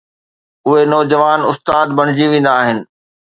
اهي نوجوان استاد بڻجي ويندا آهن.